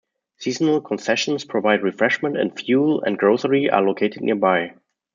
Seasonal concessions provide refreshment, and fuel and grocery are located nearby.